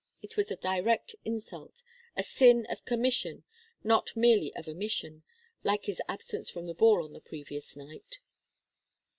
It was a direct insult a sin of commission, and not merely of omission, like his absence from the ball on the previous night.